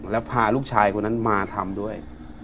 แล้วพาลูกชายคนนั้นมาทำด้วย